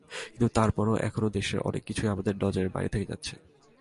কিন্তু তারপরও এখনো দেশের অনেক কিছুই আমাদের নজরের বাইরে থেকে যাচ্ছে।